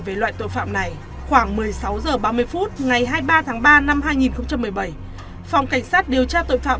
về loại tội phạm này khoảng một mươi sáu h ba mươi phút ngày hai mươi ba tháng ba năm hai nghìn một mươi bảy phòng cảnh sát điều tra tội phạm